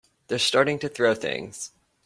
They're starting to throw things!